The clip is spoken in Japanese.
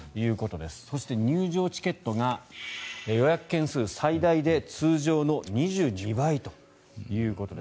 そして、入場チケットが予約件数最大で通常の２２倍ということです。